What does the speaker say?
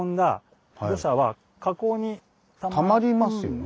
溜まりますよね。